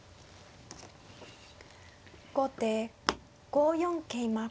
後手５四桂馬。